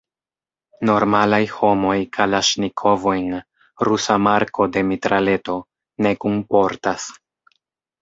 Normalaj homoj kalaŝnikovojn – rusa marko de mitraleto – ne kunportas.